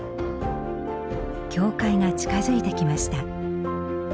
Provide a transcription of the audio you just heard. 教会が近づいてきました。